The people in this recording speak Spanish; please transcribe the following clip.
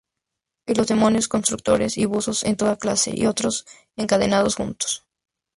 Y los demonios, constructores y buzos de toda clase, y otros, encadenados juntos.